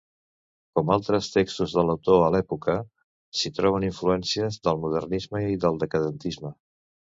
Com altres textos de l'autor a l'època, s'hi troben influències del modernisme i del decadentisme.